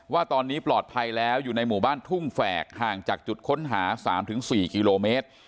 ว่าตอนนี้ปลอดภัยแล้วอยู่ในหมู่บ้านทุ่งแฝกห่างจากจุดค้นหา๓๔กิโลเมตร